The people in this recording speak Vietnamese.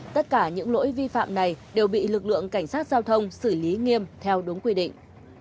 tất cả những lỗi vi phạm này đều bị lực lượng cảnh sát giao thông xử lý nghiêm theo đúng quy định